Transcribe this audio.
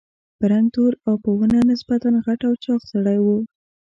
په رنګ تور او په ونه نسبتاً غټ او چاغ سړی و.